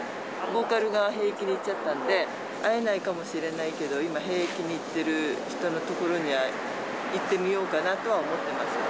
ボーカルが兵役に行っちゃったんで、会えないかもしれないけど、今、兵役に行ってる人の所に行ってみようかなとは思ってます。